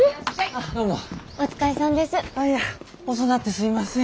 ああいや遅なってすいません。